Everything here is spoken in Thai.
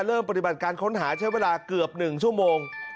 ปฏิบัติการค้นหาใช้เวลาเกือบ๑ชั่วโมง